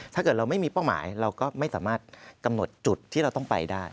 ถ้าเกิดเราไม่มีเป้าหมายเราก็ไม่สามารถกำหนดจุดที่เราต้องไปได้